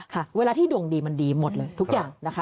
เวลาที่ดวงดีมันดีหมดเลยทุกอย่างนะคะ